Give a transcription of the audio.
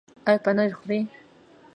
ایا پنیر خورئ؟